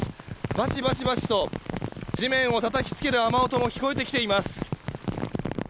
バシバシバシと地面をたたきつける雨音も聞こえてきています。